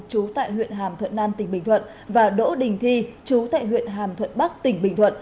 chú tại huyện hàm thuận nam tỉnh bình thuận và đỗ đình thi chú tại huyện hàm thuận bắc tỉnh bình thuận